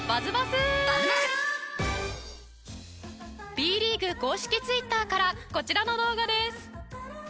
Ｂリーグ公式Ｔｗｉｔｔｅｒからこちらの動画です。